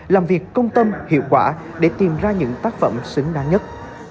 làm việc công tâm hiệu quả để tìm ra những tác phẩm xứng đáng nhất